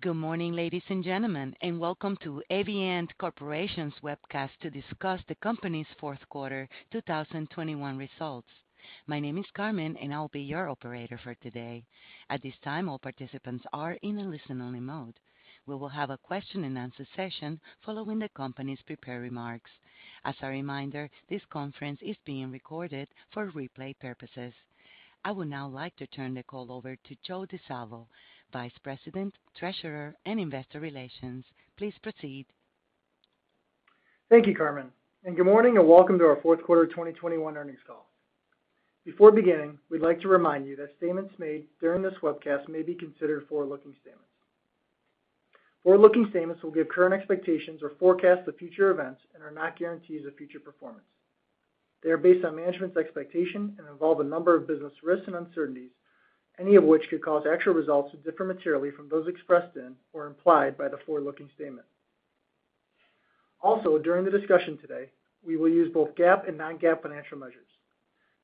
Good morning, ladies and gentlemen, and welcome to Avient Corporation's webcast to discuss the company's Q4 2021 results. My name is Carmen, and I'll be your operator for today. At this time, all participants are in a listen-only mode. We will have a question-and-answer session following the company's prepared remarks. As a reminder, this conference is being recorded for replay purposes. I would now like to turn the call over to Joe Di Salvo, Vice President, Treasurer, and Investor Relations. Please proceed. Thank you, Carmen, and good morning and welcome to our Q4 2021 earnings call. Before beginning, we'd like to remind you that statements made during this webcast may be considered forward-looking statements. Forward-looking statements will give current expectations or forecasts of future events and are not guarantees of future performance. They are based on management's expectations and involve a number of business risks and uncertainties, any of which could cause actual results to differ materially from those expressed in or implied by the forward-looking statement. Also, during the discussion today, we will use both GAAP and non-GAAP financial measures.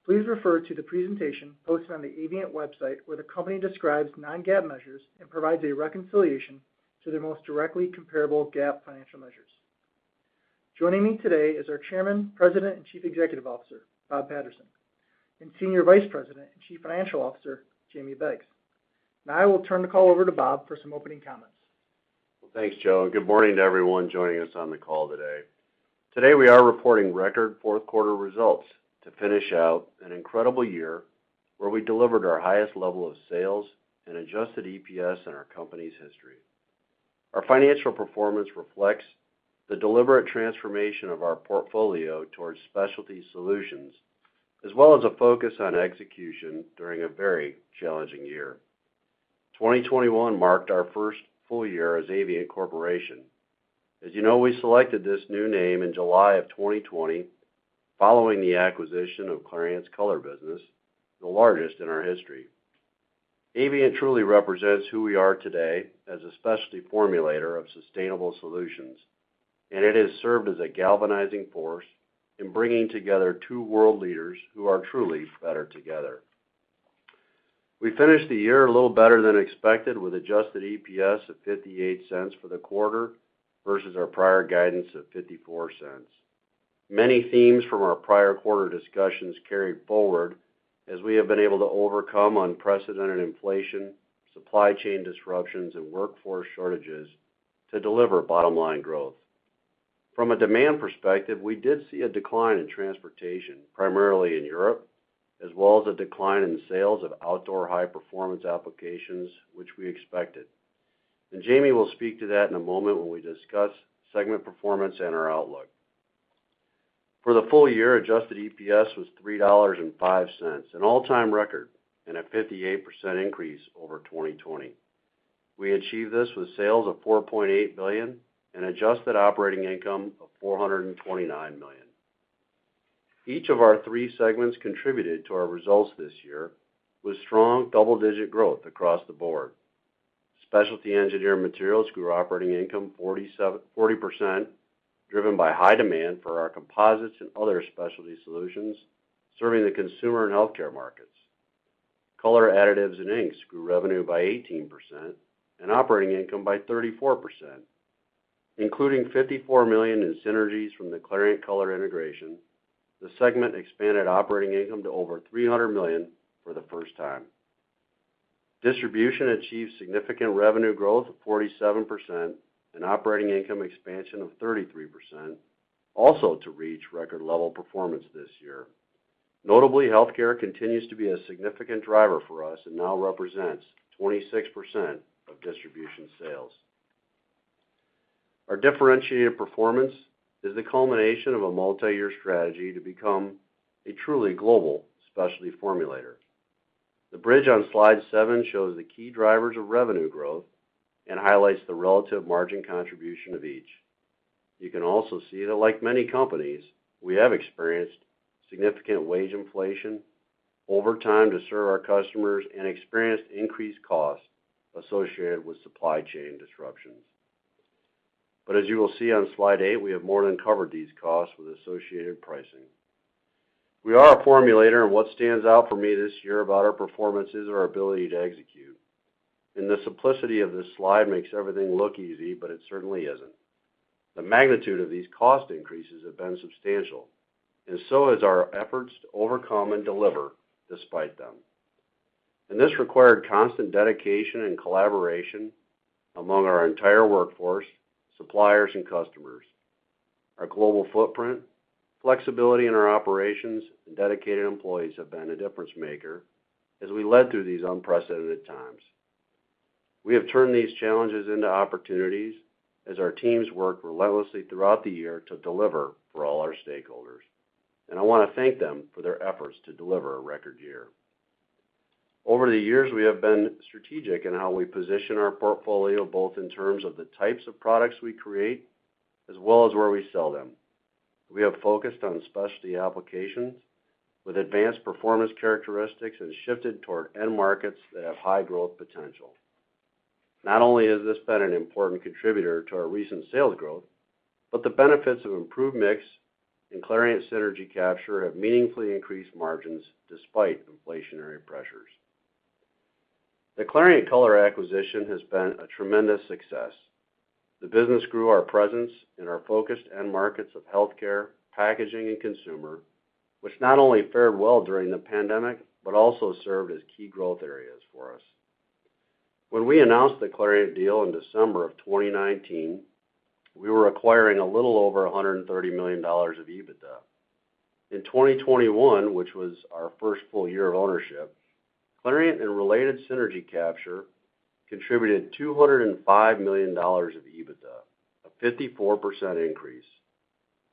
Please refer to the presentation posted on the Avient website, where the company describes non-GAAP measures and provides a reconciliation to the most directly comparable GAAP financial measures. Joining me today is our Chairman, President, and Chief Executive Officer, Bob Patterson, and Senior Vice President and Chief Financial Officer, Jamie Beggs. Now I will turn the call over to Bob for some opening comments. Well, thanks, Joe, and good morning to everyone joining us on the call today. Today, we are reporting record Q4 results to finish out an incredible year where we delivered our highest level of sales and adjusted EPS in our company's history. Our financial performance reflects the deliberate transformation of our portfolio towards specialty solutions, as well as a focus on execution during a very challenging year. 2021 marked our first full year as Avient Corporation. As you know, we selected this new name in July of 2020 following the acquisition of Clariant's Color business, the largest in our history. Avient truly represents who we are today as a specialty formulator of sustainable solutions, and it has served as a galvanizing force in bringing together two world leaders who are truly better together. We finished the year a little better than expected, with adjusted EPS of $0.58 for the quarter versus our prior guidance of $0.54. Many themes from our prior quarter discussions carried forward as we have been able to overcome unprecedented inflation, supply chain disruptions, and workforce shortages to deliver bottom-line growth. From a demand perspective, we did see a decline in transportation, primarily in Europe, as well as a decline in sales of outdoor high-performance applications, which we expected. Jamie will speak to that in a moment when we discuss segment performance and our outlook. For the full year, adjusted EPS was $3.05, an all-time record and a 58% increase over 2020. We achieved this with sales of $4.8 billion and adjusted operating income of $429 million. Each of our three segments contributed to our results this year, with strong double-digit growth across the board. Specialty Engineered Materials grew operating income 40%, driven by high demand for our composites and other specialty solutions, serving the consumer and healthcare markets. Color, Additives and Inks grew revenue by 18% and operating income by 34%. Including $54 million in synergies from the Clariant Masterbatch integration, the segment expanded operating income to over $300 million for the first time. Distribution achieved significant revenue growth of 47% and operating income expansion of 33%, also to reach record-level performance this year. Notably, healthcare continues to be a significant driver for us and now represents 26% of distribution sales. Our differentiated performance is the culmination of a multi-year strategy to become a truly global specialty formulator. The bridge on slide seven shows the key drivers of revenue growth and highlights the relative margin contribution of each. You can also see that, like many companies, we have experienced significant wage inflation over time to serve our customers and experienced increased costs associated with supply chain disruptions. But as you will see on slide eight, we have more than covered these costs with associated pricing. We are a formulator, and what stands out for me this year about our performance is our ability to execute, and the simplicity of this slide makes everything look easy, but it certainly isn't. The magnitude of these cost increases have been substantial, and so is our efforts to overcome and deliver despite them. This required constant dedication and collaboration among our entire workforce, suppliers, and customers. Our global footprint, flexibility in our operations, and dedicated employees have been a difference maker as we led through these unprecedented times. We have turned these challenges into opportunities as our teams worked relentlessly throughout the year to deliver for all our stakeholders, and I want to thank them for their efforts to deliver a record year. Over the years, we have been strategic in how we position our portfolio, both in terms of the types of products we create as well as where we sell them. We have focused on specialty applications with advanced performance characteristics and shifted toward end markets that have high growth potential. Not only has this been an important contributor to our recent sales growth. The benefits of improved mix and Clariant synergy capture have meaningfully increased margins despite inflationary pressures. The Clariant Color acquisition has been a tremendous success. The business grew our presence in our focused end markets of healthcare, packaging, and consumer, which not only fared well during the pandemic, but also served as key growth areas for us. When we announced the Clariant deal in December of 2019, we were acquiring a little over $130 million of EBITDA. In 2021, which was our first full year of ownership, Clariant and related synergy capture contributed $205 million of EBITDA, a 54% increase.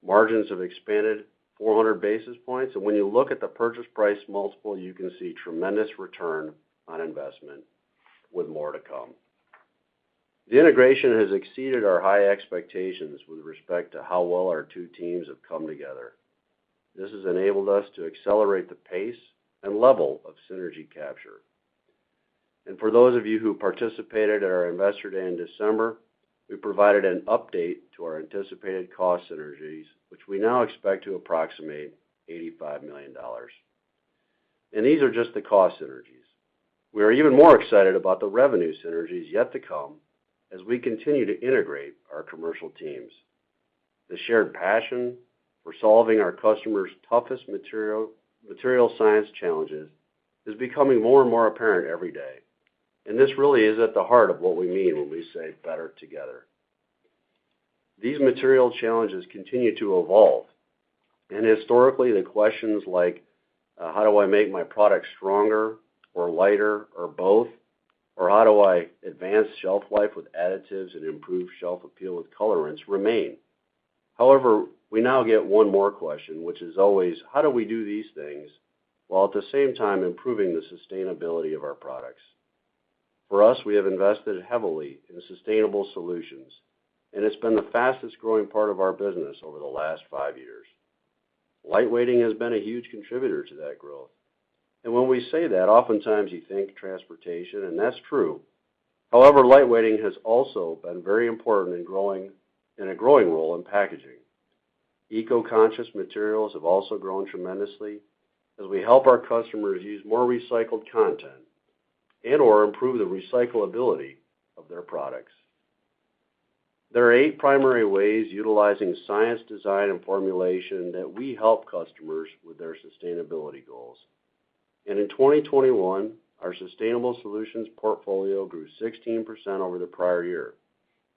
Margins have expanded 400 basis points, and when you look at the purchase price multiple, you can see tremendous return on investment with more to come. The integration has exceeded our high expectations with respect to how well our two teams have come together. This has enabled us to accelerate the pace and level of synergy capture. For those of you who participated at our Investor Day in December, we provided an update to our anticipated cost synergies, which we now expect to approximate $85 million. These are just the cost synergies. We are even more excited about the revenue synergies yet to come as we continue to integrate our commercial teams. The shared passion for solving our customers' toughest materials science challenges is becoming more and more apparent every day, and this really is at the heart of what we mean when we say better together. These material challenges continue to evolve, and historically the questions like, how do I make my product stronger or lighter or both, or how do I advance shelf life with additives and improve shelf appeal with colorants remain. However, we now get one more question, which is always, "How do we do these things while at the same time improving the sustainability of our products?" For us, we have invested heavily in Sustainable Solutions, and it's been the fastest-growing part of our business over the last five years. Lightweighting has been a huge contributor to that growth. When we say that, oftentimes you think transportation, and that's true. However, light weighting has also been very important in a growing role in packaging. Eco-conscious materials have also grown tremendously as we help our customers use more recycled content and/or improve the recyclability of their products. There are eight primary ways utilizing science, design, and formulation that we help customers with their sustainability goals. In 2021, our Sustainable Solutions portfolio grew 16% over the prior year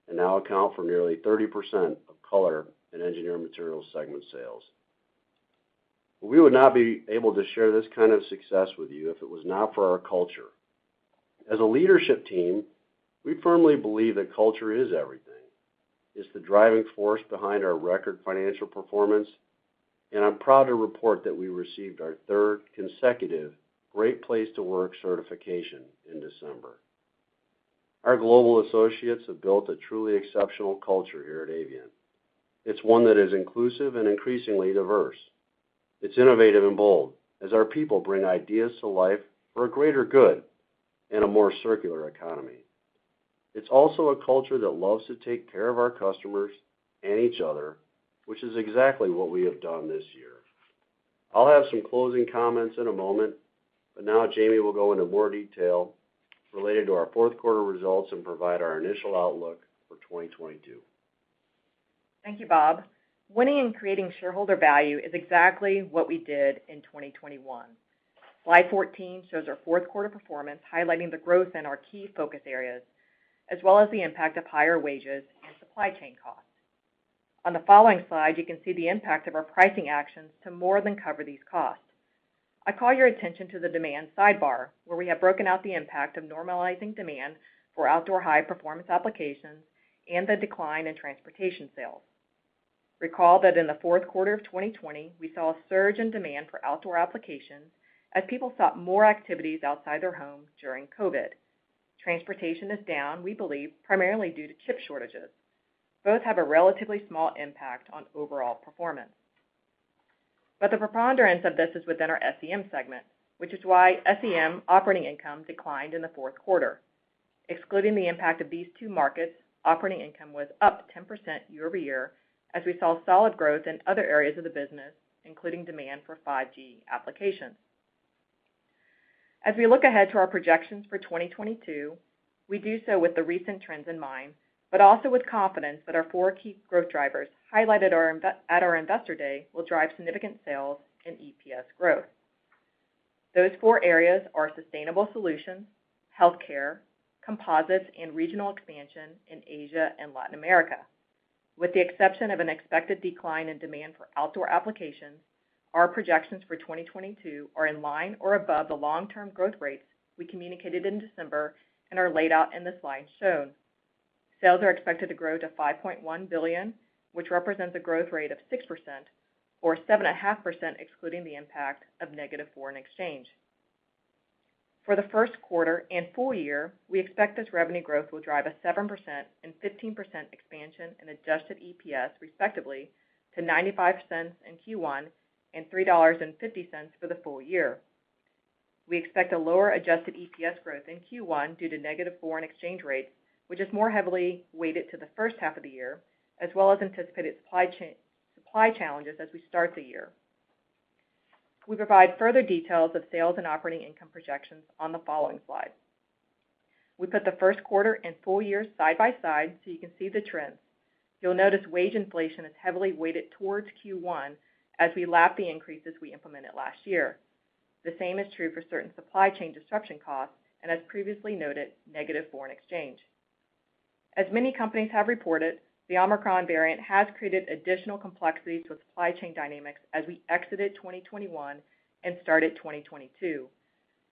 and now accounts for nearly 30% of Color and Engineered Materials segment sales. We would not be able to share this kind of success with you if it was not for our culture. As a leadership team, we firmly believe that culture is everything. It's the driving force behind our record financial performance, and I'm proud to report that we received our third consecutive Great Place to Work certification in December. Our global associates have built a truly exceptional culture here at Avient. It's one that is inclusive and increasingly diverse. It's innovative and bold, as our people bring ideas to life for a greater good and a more circular economy. It's also a culture that loves to take care of our customers and each other, which is exactly what we have done this year. I'll have some closing comments in a moment, but now Jamie will go into more detail related to our Q4 results and provide our initial outlook for 2022. Thank you, Bob. Winning and creating shareholder value is exactly what we did in 2021. Slide 14 shows our Q4 performance, highlighting the growth in our key focus areas, as well as the impact of higher wages and supply chain costs. On the following slide, you can see the impact of our pricing actions to more than cover these costs. I call your attention to the demand sidebar, where we have broken out the impact of normalizing demand for outdoor high-performance applications and the decline in transportation sales. Recall that in the Q4 of 2020, we saw a surge in demand for outdoor applications as people sought more activities outside their homes during COVID. Transportation is down, we believe, primarily due to chip shortages. Both have a relatively small impact on overall performance. The preponderance of this is within our SEM segment, which is why SEM operating income declined in the Q4. Excluding the impact of these two markets, operating income was up 10% year-over-year as we saw solid growth in other areas of the business, including demand for 5G applications. As we look ahead to our projections for 2022, we do so with the recent trends in mind, but also with confidence that our four key growth drivers highlighted at our Investor Day will drive significant sales and EPS growth. Those four areas are Sustainable Solutions, healthcare, composites, and regional expansion in Asia and Latin America. With the exception of an expected decline in demand for outdoor applications, our projections for 2022 are in line or above the long-term growth rates we communicated in December and are laid out in the slide shown. Sales are expected to grow to $5.1 billion, which represents a growth rate of 6% or 7.5% excluding the impact of negative foreign exchange. For the Q1 and full year, we expect this revenue growth will drive a 7% and 15% expansion in adjusted EPS, respectively, to $0.95 in Q1 and $3.50 for the full year. We expect a lower adjusted EPS growth in Q1 due to negative foreign exchange rate, which is more heavily weighted to the H1 of the year, as well as anticipated supply challenges as we start the year. We provide further details of sales and operating income projections on the following slide. We put the Q1 and full year side by side so you can see the trends. You'll notice wage inflation is heavily weighted towards Q1 as we lap the increases we implemented last year. The same is true for certain supply chain disruption costs and, as previously noted, negative foreign exchange. As many companies have reported, the Omicron variant has created additional complexities with supply chain dynamics as we exited 2021 and started 2022.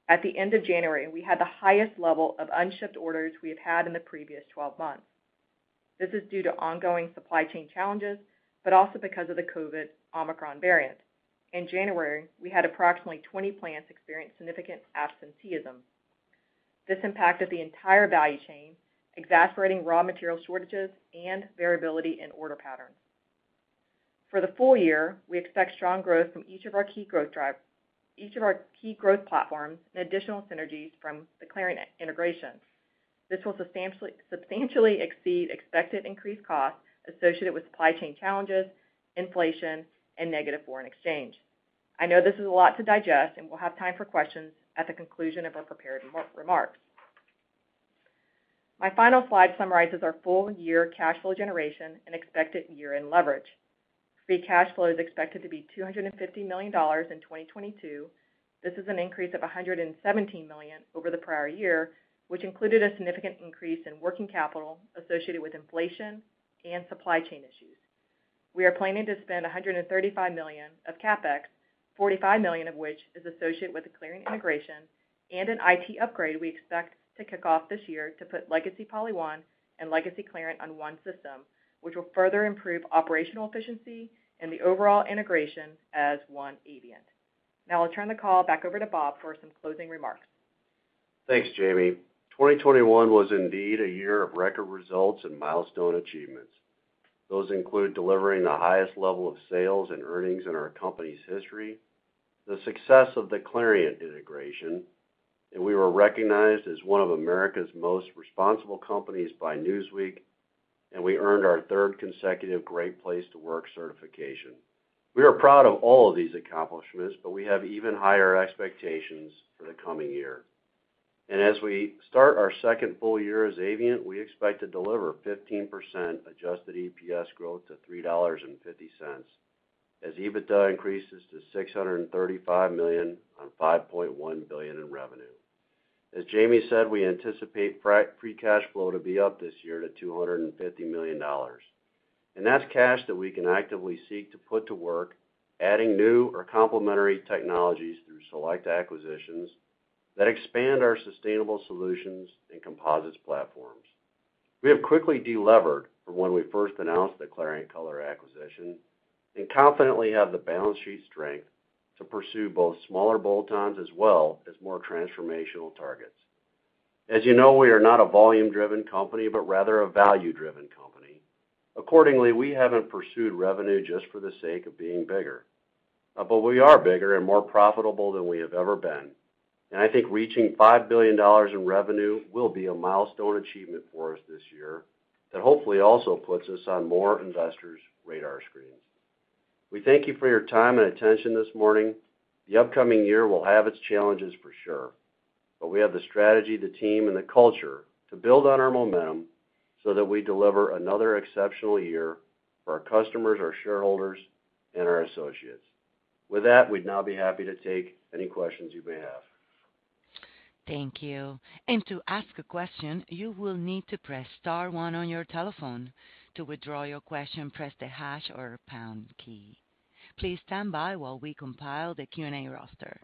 At the end of January, we had the highest level of unshipped orders we have had in the previous 12 months. This is due to ongoing supply chain challenges, but also because of the COVID Omicron variant. In January, we had approximately 20 plants experience significant absenteeism. This impacted the entire value chain, exacerbating raw material shortages and variability in order patterns. For the full year, we expect strong growth from each of our key growth platforms and additional synergies from the Clariant integration. This will substantially exceed expected increased costs associated with supply chain challenges, inflation, and negative foreign exchange. I know this is a lot to digest, and we'll have time for questions at the conclusion of our prepared remarks. My final slide summarizes our full-year cash flow generation and expected year-end leverage. Free cash flow is expected to be $250 million in 2022. This is an increase of $117 million over the prior year, which included a significant increase in working capital associated with inflation and supply chain issues. We are planning to spend $135 million of CapEx, $45 million of which is associated with the Clariant integration and an IT upgrade we expect to kick off this year to put legacy PolyOne and legacy Clariant on one system, which will further improve operational efficiency and the overall integration as one Avient. Now I'll turn the call back over to Bob for some closing remarks. Thanks, Jamie. 2021 was indeed a year of record results and milestone achievements. Those include delivering the highest level of sales and earnings in our company's history, the success of the Clariant integration, and we were recognized as one of America's Most Responsible Companies by Newsweek, and we earned our third consecutive Great Place to Work certification. We are proud of all of these accomplishments, but we have even higher expectations for the coming year. As we start our second full year as Avient, we expect to deliver 15% adjusted EPS growth to $3.50 as EBITDA increases to $635 million on $5.1 billion in revenue. As Jamie said, we anticipate free cash flow to be up this year to $250 million. That's cash that we can actively seek to put to work adding new or complementary technologies through select acquisitions that expand our Sustainable Solutions and composites platforms. We have quickly delevered from when we first announced the Clariant Masterbatch acquisition and confidently have the balance sheet strength to pursue both smaller bolt-ons as well as more transformational targets. As you know, we are not a volume-driven company, but rather a value-driven company. Accordingly, we haven't pursued revenue just for the sake of being bigger. We are bigger and more profitable than we have ever been. I think reaching $5 billion in revenue will be a milestone achievement for us this year that hopefully also puts us on more investors' radar screens. We thank you for your time and attention this morning. The upcoming year will have its challenges for sure, but we have the strategy, the team, and the culture to build on our momentum so that we deliver another exceptional year for our customers, our shareholders, and our associates. With that, we'd now be happy to take any questions you may have. Thank you. To ask a question, you will need to press star one on your telephone. To withdraw your question, press the hash or pound key. Please stand by while we compile the Q&A roster.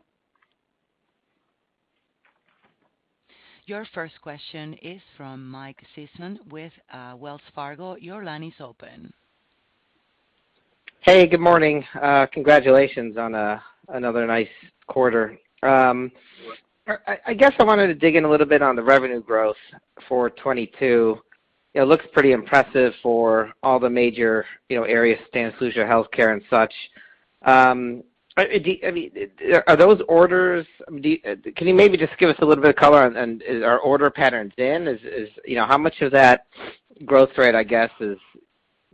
Your first question is from Mike Sison with Wells Fargo. Your line is open. Hey, good morning. Congratulations on another nice quarter. I guess I wanted to dig in a little bit on the revenue growth for 2022. It looks pretty impressive for all the major, you know, areas, Sustainable Solutions, Health Care and such. I mean, are those orders? Can you maybe just give us a little bit of color on our order patterns in? Is, you know, how much of that growth rate, I guess, is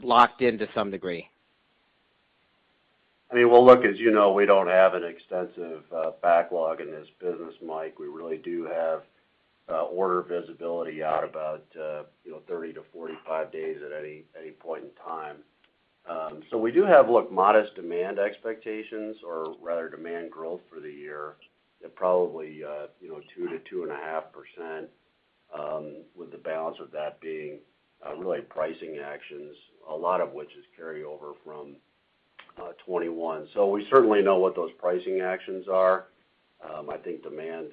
locked in to some degree? I mean, well, look, as you know, we don't have an extensive backlog in this business, Mike. We really do have order visibility out about, you know, 30-45 days at any point in time. So we do have, look, modest demand expectations or rather demand growth for the year at probably, you know, 2%-2.5%, with the balance of that being really pricing actions, a lot of which is carryover from 2021. So we certainly know what those pricing actions are. I think demand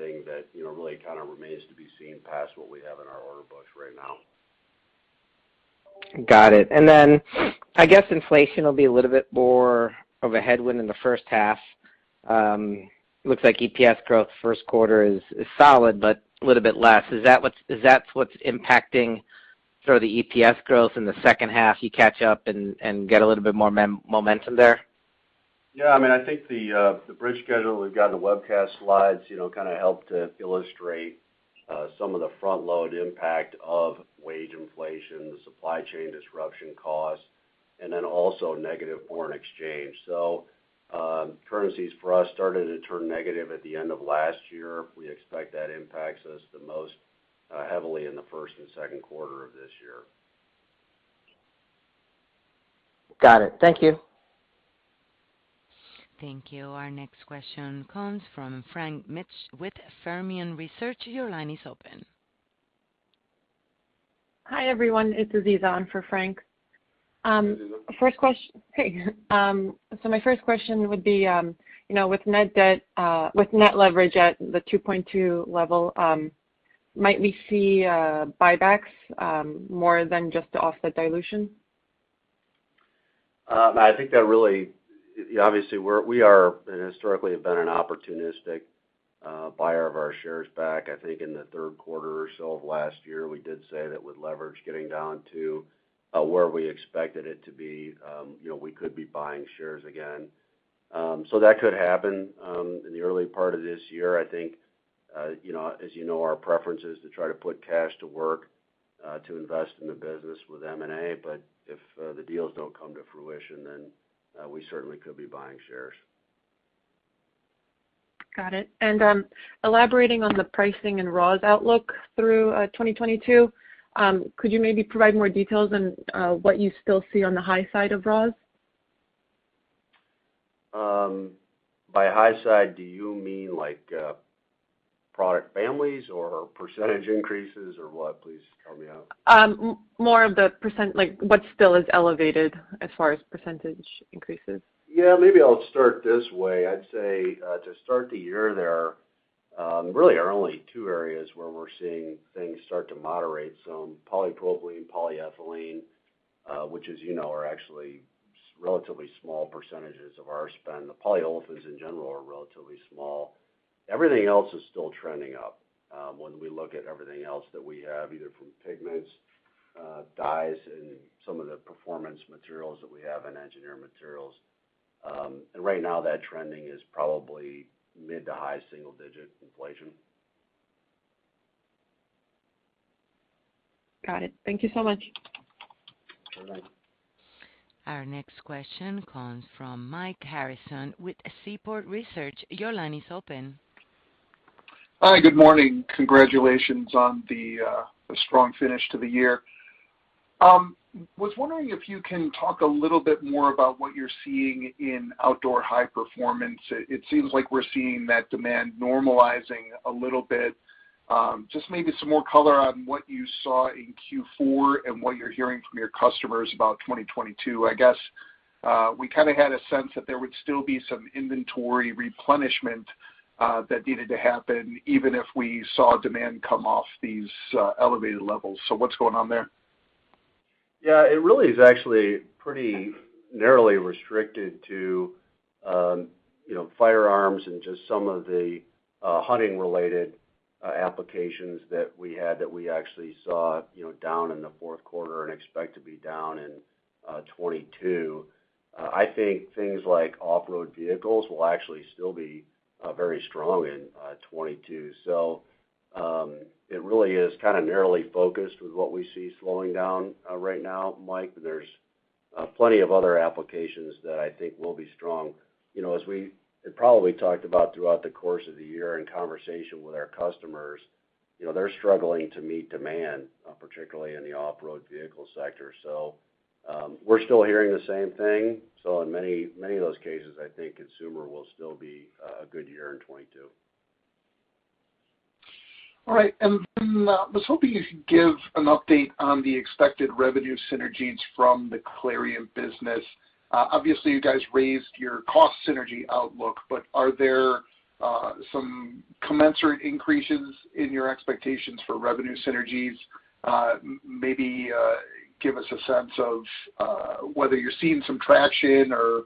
is the one thing that, you know, really kind of remains to be seen past what we have in our order books right now. Got it. I guess inflation will be a little bit more of a headwind in the H1. Looks like EPS growth Q1 is solid, but a little bit less. Is that what's impacting sort of the EPS growth in the H2, you catch up and get a little bit more momentum there? Yeah. I mean, I think the bridge schedule we've got in the webcast slides, you know, kind of help to illustrate some of the front-load impact of wage inflation, the supply chain disruption costs, and then also negative foreign exchange. Currencies for us started to turn negative at the end of last year. We expect that impacts us the most heavily in the first and Q2 of this year. Got it. Thank you. Thank you. Our next question comes from Frank Mitsch with Fermium Research. Your line is open. Hi, everyone. It's Aziza in for Frank. Hey, Aziza. My first question would be, you know, with net leverage at the 2.2 level, might we see buybacks more than just to offset dilution? I think that really. You know, obviously we are, and historically have been an opportunistic buyer of our shares back. I think in the Q3 or so of last year, we did say that with leverage getting down to where we expected it to be, you know, we could be buying shares again. That could happen. In the early part of this year, I think, you know, as you know, our preference is to try to put cash to work to invest in the business with M&A. If the deals don't come to fruition, then we certainly could be buying shares. Got it. Elaborating on the pricing and raws outlook through 2022, could you maybe provide more details on what you still see on the high side of raws? By high side, do you mean like, product families or percentage increases or what? Please hear me out. More of the percent, like what still is elevated as far as percentage increases? Yeah. Maybe I'll start this way. I'd say, to start the year there, really are only two areas where we're seeing things start to moderate some, polypropylene, polyethylene, which as you know are actually relatively small percentages of our spend. The polyolefins in general are relatively small. Everything else is still trending up. When we look at everything else that we have, either from pigments, dyes and some of the performance materials that we have in engineering materials. Right now that trending is probably mid- to high-single-digit inflation. Got it. Thank you so much. All right. Our next question comes from Mike Harrison with Seaport Research. Your line is open. Hi, good morning. Congratulations on the strong finish to the year. Was wondering if you can talk a little bit more about what you're seeing in outdoor high performance. It seems like we're seeing that demand normalizing a little bit. Just maybe some more color on what you saw in Q4 and what you're hearing from your customers about 2022. I guess, we kinda had a sense that there would still be some inventory replenishment that needed to happen even if we saw demand come off these elevated levels. What's going on there? Yeah. It really is actually pretty narrowly restricted to, you know, firearms and just some of the hunting related applications that we had that we actually saw, you know, down in the Q4 and expect to be down in 2022. I think things like off-road vehicles will actually still be very strong in 2022. So, it really is kind of narrowly focused with what we see slowing down right now, Mike. There's plenty of other applications that I think will be strong. You know, as we had probably talked about throughout the course of the year in conversation with our customers, you know, they're struggling to meet demand particularly in the off-road vehicle sector. So, we're still hearing the same thing. In many, many of those cases, I think consumer will still be a good year in 2022. All right. I was hoping you could give an update on the expected revenue synergies from the Clariant business. Obviously, you guys raised your cost synergy outlook, but are there some commensurate increases in your expectations for revenue synergies? Maybe give us a sense of whether you're seeing some traction or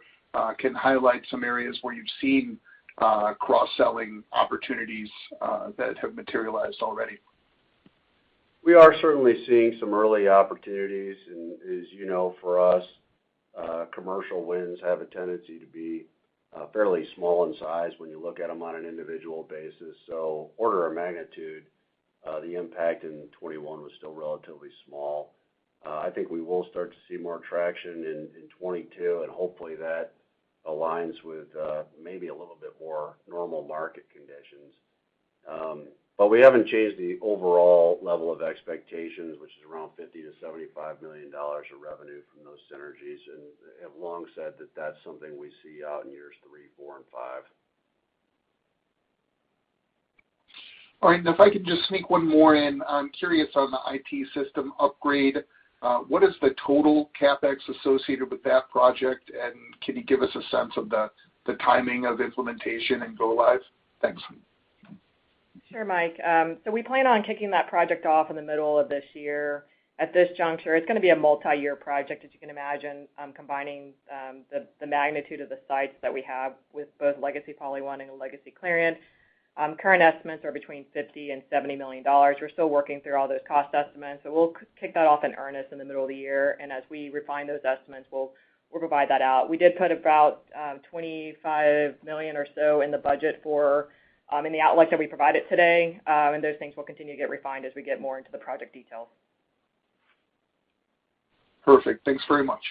can highlight some areas where you've seen cross-selling opportunities that have materialized already. We are certainly seeing some early opportunities. As you know, for us, commercial wins have a tendency to be fairly small in size when you look at them on an individual basis. Order of magnitude, the impact in 2021 was still relatively small. I think we will start to see more traction in 2022, and hopefully that aligns with maybe a little bit more normal market conditions. We haven't changed the overall level of expectations, which is around $50 million-$75 million of revenue from those synergies, and have long said that that's something we see out in years three, four and five. All right. If I could just sneak one more in. I'm curious on the IT system upgrade. What is the total CapEx associated with that project? Can you give us a sense of the timing of implementation and go lives? Thanks. Sure, Mike. We plan on kicking that project off in the middle of this year. At this juncture, it's gonna be a multi-year project, as you can imagine, combining the magnitude of the sites that we have with both legacy PolyOne and legacy Clariant. Current estimates are between $50 million and $70 million. We're still working through all those cost estimates, so we'll kick that off in earnest in the middle of the year. As we refine those estimates, we'll provide that out. We did put about $25 million or so in the budget for in the outlook that we provided today. Those things will continue to get refined as we get more into the project details. Perfect. Thanks very much.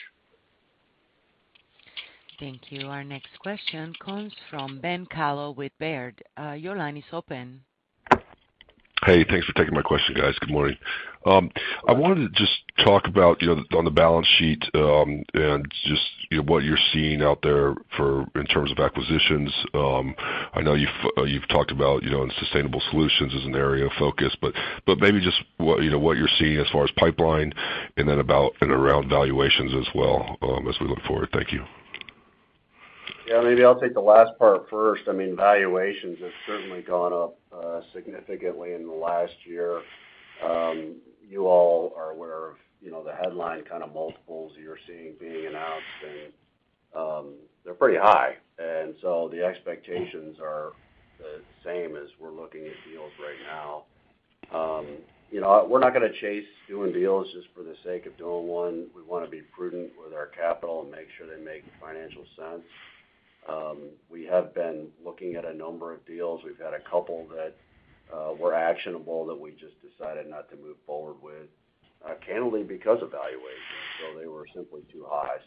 Thank you. Our next question comes from Ben Kallo with Baird. Your line is open. Hey, thanks for taking my question, guys. Good morning. I wanted to just talk about, you know, on the balance sheet, and just, you know, what you're seeing out there in terms of acquisitions. I know you've talked about, you know, and Sustainable Solutions as an area of focus, but maybe just what, you know, what you're seeing as far as pipeline and then about and around valuations as well, as we look forward. Thank you. Yeah, maybe I'll take the last part first. I mean, valuations have certainly gone up significantly in the last year. You all are aware of, you know, the headline kind of multiples you're seeing being announced, and they're pretty high. The expectations are the same as we're looking at deals right now. You know, we're not gonna chase doing deals just for the sake of doing one. We wanna be prudent with our capital and make sure they make financial sense. We have been looking at a number of deals. We've had a couple that were actionable that we just decided not to move forward with candidly because of valuations. They were simply too high.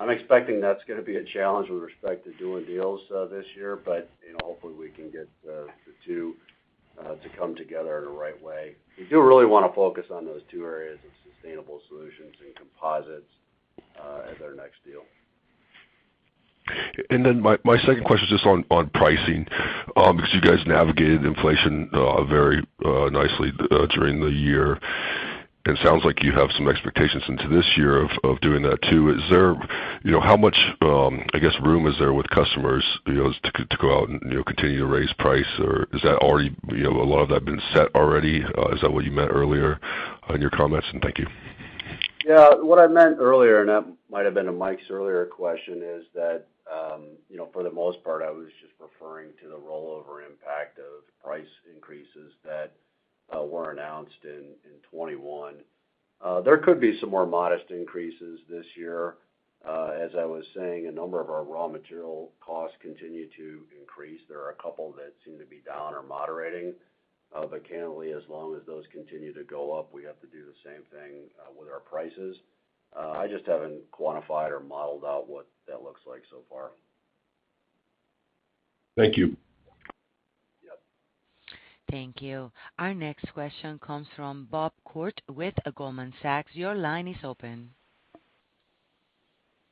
I'm expecting that's gonna be a challenge with respect to doing deals this year. you know, hopefully we can get the two to come together in the right way. We do really wanna focus on those two areas of Sustainable Solutions and composites as our next deal. My second question is just on pricing, because you guys navigated inflation very nicely during the year. It sounds like you have some expectations into this year of doing that too. Is there, you know, how much, I guess, room is there with customers, you know, to go out and, you know, continue to raise price? Or is that already, you know, a lot of that been set already? Is that what you meant earlier in your comments? Thank you. Yeah. What I meant earlier, and that might have been to Mike's earlier question, is that, you know, for the most part, I was just referring to the rollover impact of price increases that were announced in 2021. There could be some more modest increases this year. As I was saying, a number of our raw material costs continue to increase. There are a couple that seem to be down or moderating. Candidly, as long as those continue to go up, we have to do the same thing with our prices. I just haven't quantified or modeled out what that looks like so far. Thank you. Yep. Thank you. Our next question comes from Bob Koort with Goldman Sachs. Your line is open.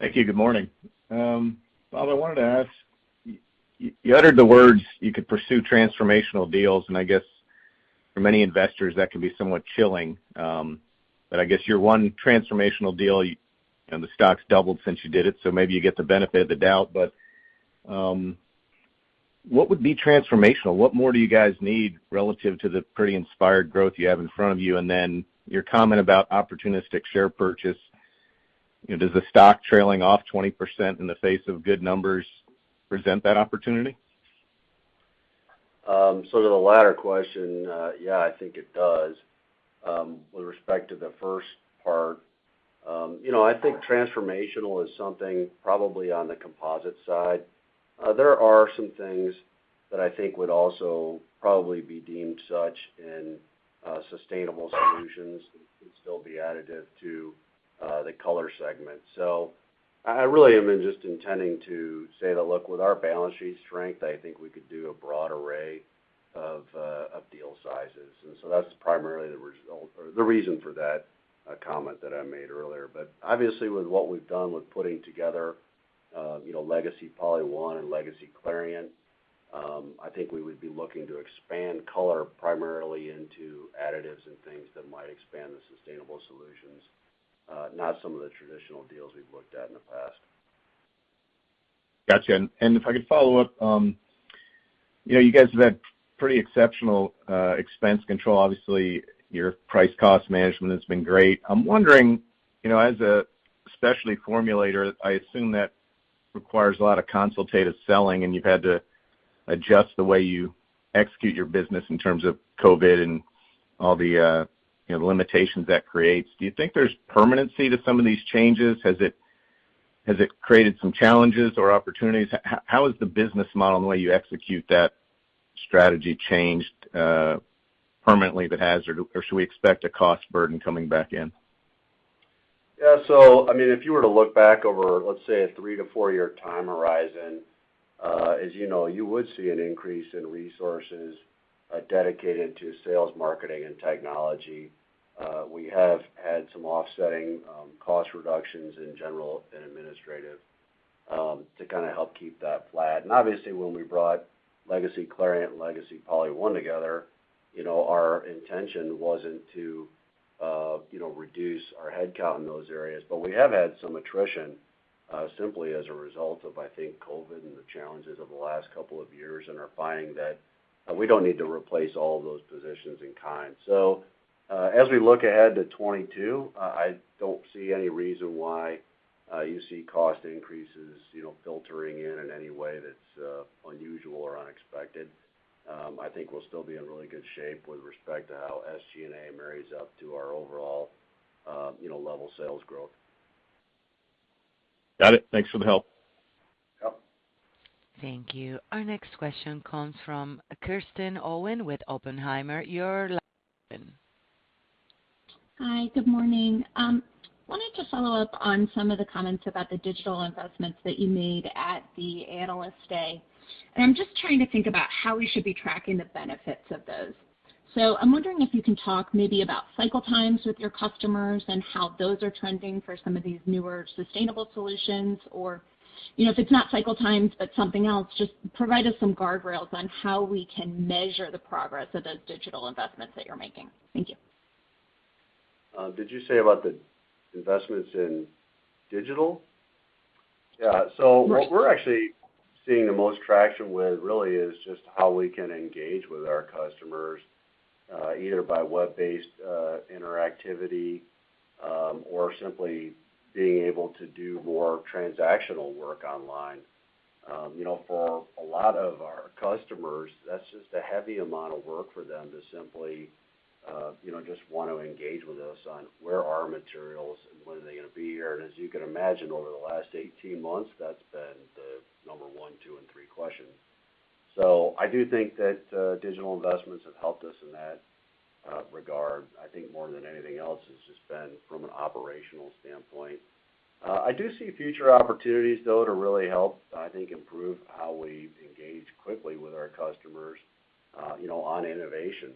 Thank you. Good morning. Bob, I wanted to ask, you uttered the words you could pursue transformational deals, and I guess for many investors, that can be somewhat chilling. I guess your one transformational deal, and the stock's doubled since you did it, so maybe you get the benefit of the doubt. What would be transformational? What more do you guys need relative to the pretty impressive growth you have in front of you? Your comment about opportunistic share purchase, you know, does the stock trailing off 20% in the face of good numbers present that opportunity? To the latter question, yeah, I think it does. With respect to the first part, you know, I think transformational is something probably on the composite side. There are some things that I think would also probably be deemed such in Sustainable Solutions and could still be additive to the color segment. I really am just intending to say that, look, with our balance sheet strength, I think we could do a broad array of deal sizes. That's primarily the result or the reason for that comment that I made earlier. Obviously with what we've done with putting together, you know, legacy PolyOne and legacy Clariant, I think we would be looking to expand color primarily into additives and things that might expand the Sustainable Solutions, not some of the traditional deals we've looked at in the past. Gotcha. If I could follow up, you know, you guys have had pretty exceptional expense control. Obviously, your price-cost management has been great. I'm wondering, you know, as a specialty formulator, I assume that requires a lot of consultative selling, and you've had to adjust the way you execute your business in terms of COVID and all the, you know, limitations that creates. Do you think there's permanency to some of these changes? Has it created some challenges or opportunities? How has the business model and the way you execute that strategy changed permanently if it has, or should we expect a cost burden coming back in? Yeah. I mean, if you were to look back over, let's say, a three to four year time horizon, as you know, you would see an increase in resources dedicated to sales, marketing, and technology. We have had some offsetting cost reductions in general and administrative to kinda help keep that flat. Obviously, when we brought legacy Clariant and legacy PolyOne together, you know, our intention wasn't to, you know, reduce our headcount in those areas. We have had some attrition simply as a result of, I think, COVID and the challenges of the last couple of years and are finding that we don't need to replace all of those positions in kind. As we look ahead to 2022, I don't see any reason why you see cost increases, you know, filtering in in any way that's unusual or unexpected. I think we'll still be in really good shape with respect to how SG&A marries up to our overall, you know, level sales growth. Got it. Thanks for the help. Yep. Thank you. Our next question comes from Kristen Owen with Oppenheimer. Your line is open. Hi, good morning. Wanted to follow up on some of the comments about the digital investments that you made at the Investor Day. I'm just trying to think about how we should be tracking the benefits of those. I'm wondering if you can talk maybe about cycle times with your customers and how those are trending for some of these newer Sustainable Solutions. Or, you know, if it's not cycle times, but something else, just provide us some guardrails on how we can measure the progress of those digital investments that you're making. Thank you. Did you say about the investments in digital? Yeah. What we're actually seeing the most traction with really is just how we can engage with our customers, either by web-based interactivity, or simply being able to do more transactional work online. You know, for a lot of our customers, that's just a heavy amount of work for them to simply just wanna engage with us on where our materials and when are they gonna be here. As you can imagine, over the last 18 months, that's been the number one, two, and three question. I do think that digital investments have helped us in that regard, I think, more than anything else. It's just been from an operational standpoint. I do see future opportunities, though, to really help, I think, improve how we engage quickly with our customers, you know, on innovation.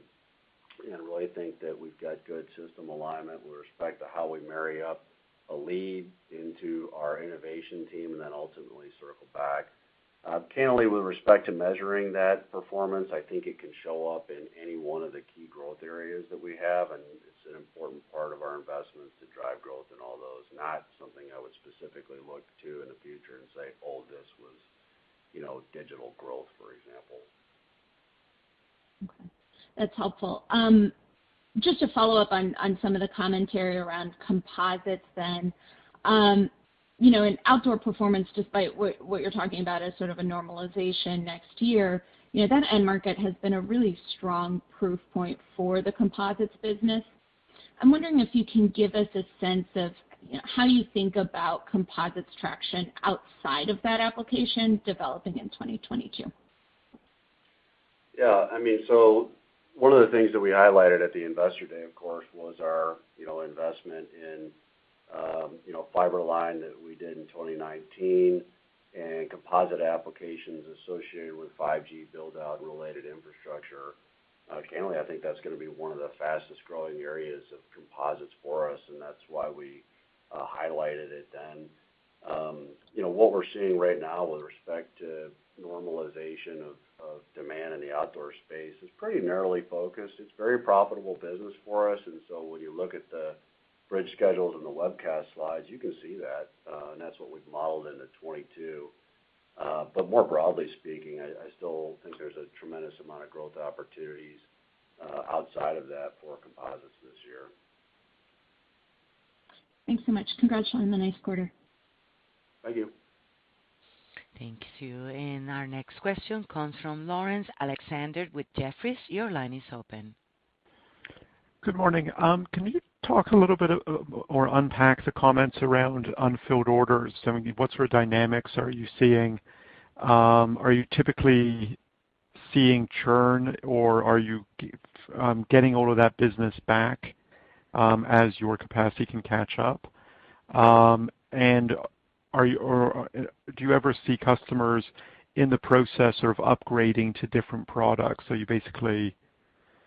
I really think that we've got good system alignment with respect to how we marry up a lead into our innovation team and then ultimately circle back. Candidly with respect to measuring that performance, I think it can show up in any one of the key growth areas that we have, and it's an important part of our investments to drive growth in all those, not something I would specifically look to in the future and say, "Oh, this was, you know, digital growth," for example. Okay, that's helpful. Just to follow up on some of the commentary around composites then. You know, in outdoor performance, despite what you're talking about as sort of a normalization next year, you know, that end market has been a really strong proof point for the composites business. I'm wondering if you can give us a sense of, you know, how you think about composites traction outside of that application developing in 2022. Yeah, I mean, one of the things that we highlighted at the Investor Day, of course, was our, you know, investment in, you know, Fiber-Line that we did in 2019 and composite applications associated with 5G build-out and related infrastructure. Candidly, I think that's gonna be one of the fastest-growing areas of composites for us, and that's why we highlighted it then. You know, what we're seeing right now with respect to normalization of demand in the outdoor space is pretty narrowly focused. It's very profitable business for us. When you look at the bridge schedules and the webcast slides, you can see that, and that's what we've modeled into 2022. More broadly speaking, I still think there's a tremendous amount of growth opportunities outside of that for composites this year. Thanks so much. Congratulations on the nice quarter. Thank you. Thank you. Our next question comes from Laurence Alexander with Jefferies. Your line is open. Good morning. Can you talk a little bit or unpack the comments around unfilled orders? I mean, what sort of dynamics are you seeing? Are you typically seeing churn or are you getting all of that business back as your capacity can catch up? Are you or do you ever see customers in the process of upgrading to different products? You basically,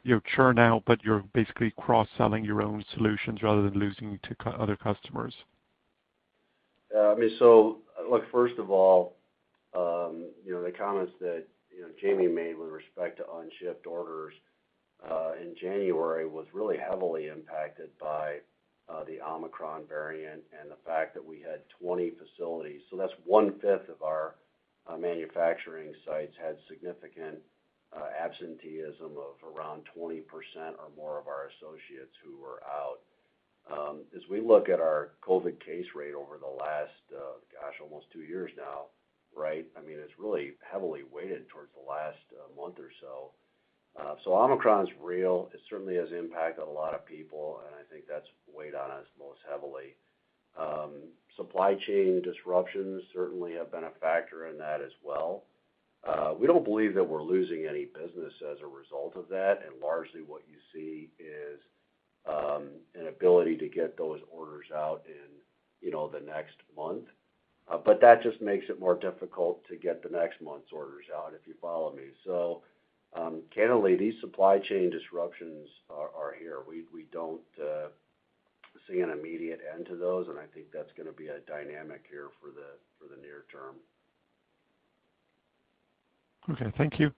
you churn out, but you're basically cross-selling your own solutions rather than losing to other customers. Yeah. I mean, look, first of all, you know, the comments that, you know, Jamie made with respect to unshipped orders in January was really heavily impacted by the Omicron variant and the fact that we had 20 facilities. That's 1/5 of our manufacturing sites had significant absenteeism of around 20% or more of our associates who were out. As we look at our COVID case rate over the last, gosh, almost two years now, right? I mean, it's really heavily weighted towards the last month or so. Omicron is real. It certainly has impacted a lot of people, and I think that's weighed on us most heavily. Supply chain disruptions certainly have been a factor in that as well. We don't believe that we're losing any business as a result of that. Largely what you see is an ability to get those orders out in, you know, the next month. That just makes it more difficult to get the next month's orders out, if you follow me. Candidly, these supply chain disruptions are here. We don't see an immediate end to those, and I think that's gonna be a dynamic here for the near term. Okay. Thank you.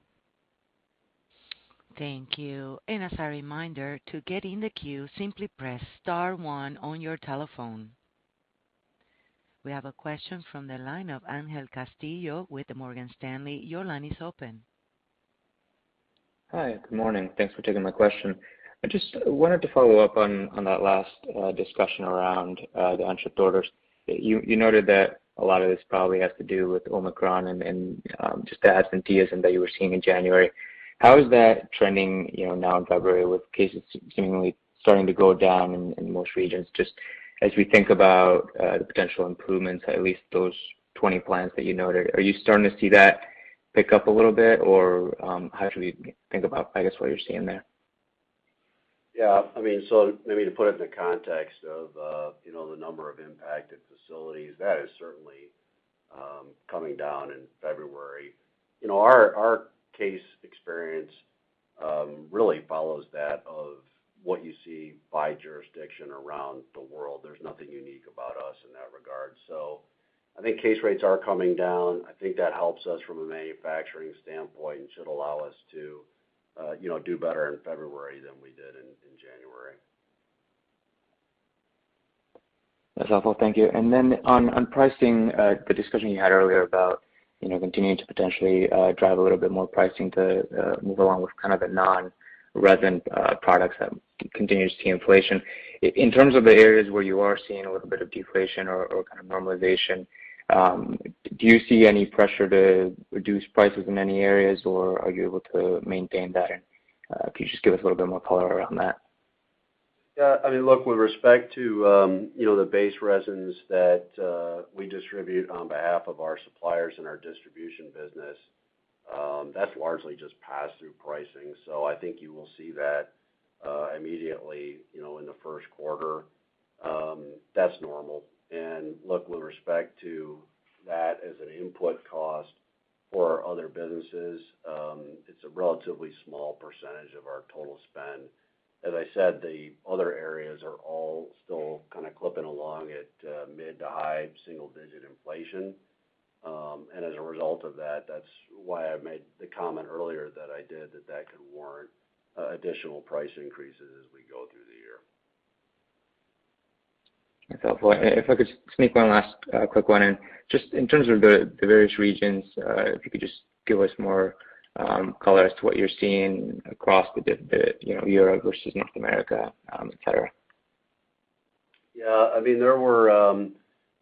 Thank you. As a reminder, to get in the queue, simply press star one on your telephone. We have a question from the line of Angel Castillo with Morgan Stanley. Your line is open. Hi, good morning. Thanks for taking my question. I just wanted to follow up on that last discussion around the unshipped orders. You noted that a lot of this probably has to do with Omicron and just the absenteeism that you were seeing in January. How is that trending, you know, now in February with cases seemingly starting to go down in most regions? Just as we think about the potential improvements, at least those 20 plants that you noted, are you starting to see that pick up a little bit? Or how should we think about, I guess, what you're seeing there? Yeah, I mean, maybe to put it in the context of, you know, the number of impacted facilities, that is certainly coming down in February. You know, our case experience really follows that of what you see by jurisdiction around the world. There's nothing unique about us in that regard. I think case rates are coming down. I think that helps us from a manufacturing standpoint and should allow us to, you know, do better in February than we did in January. That's helpful. Thank you. Then on pricing, the discussion you had earlier about, you know, continuing to potentially drive a little bit more pricing to move along with kind of the non-resin products that continue to see inflation. In terms of the areas where you are seeing a little bit of deflation or kind of normalization, do you see any pressure to reduce prices in any areas, or are you able to maintain that? Can you just give us a little bit more color around that? Yeah, I mean, look, with respect to, you know, the base resins that we distribute on behalf of our suppliers and our distribution business, that's largely just pass-through pricing. So I think you will see that immediately, you know, in the Q1. That's normal. Look, with respect to that as an input cost for our other businesses, it's a relatively small percentage of our total spend. As I said, the other areas are all still kind of clipping along at mid- to high-single-digit inflation. And as a result of that's why I made the comment earlier that I did that could warrant additional price increases as we go through the year. That's helpful. If I could sneak one last quick one in. Just in terms of the various regions, if you could just give us more color as to what you're seeing across, you know, Europe versus North America, et cetera. Yeah, I mean, there were,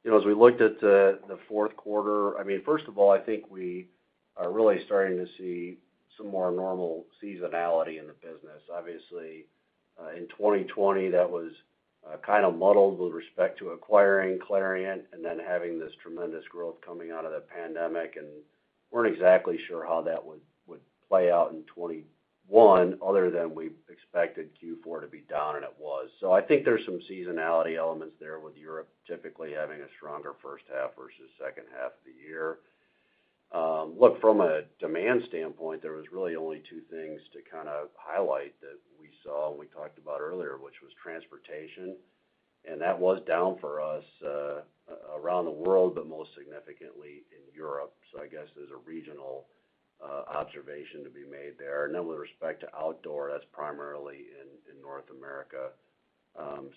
you know, as we looked at the Q4, I mean, first of all, I think we are really starting to see some more normal seasonality in the business. Obviously, in 2020, that was kind of muddled with respect to acquiring Clariant and then having this tremendous growth coming out of the pandemic, and weren't exactly sure how that would play out in 2021 other than we expected Q4 to be down, and it was. I think there's some seasonality elements there with Europe typically having a stronger H1 versus H2 of the year. Look, from a demand standpoint, there was really only two things to kind of highlight that we saw and we talked about earlier, which was transportation. That was down for us, around the world, but most significantly in Europe. I guess there's a regional observation to be made there. With respect to outdoor, that's primarily in North America.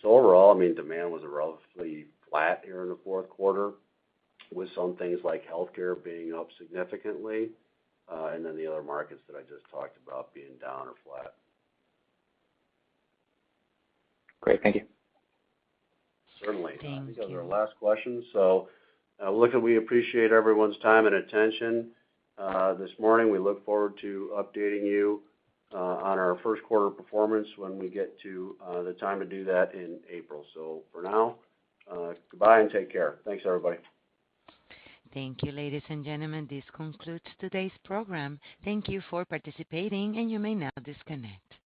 Overall, I mean, demand was relatively flat here in the Q4 with some things like healthcare being up significantly, and then the other markets that I just talked about being down or flat. Great. Thank you. Certainly. Thank you. I think that was our last question. Look, we appreciate everyone's time and attention this morning. We look forward to updating you on our Q1 performance when we get to the time to do that in April. For now, goodbye and take care. Thanks, everybody. Thank you, ladies and gentlemen. This concludes today's program. Thank you for participating, and you may now disconnect.